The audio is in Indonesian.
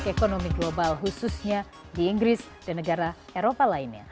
ekonomi global khususnya di inggris dan negara eropa lainnya